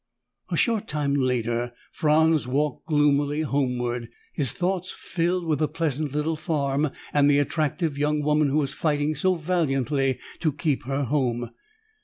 A short time later, Franz walked gloomily homeward, his thoughts filled with the pleasant little farm and the attractive young woman who was fighting so valiantly to keep her home.